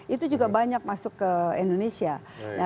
itu juga banyak masuk ke indonesia